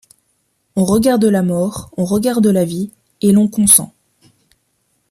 On regarde la mort, on regarde la vie, et l’on consent.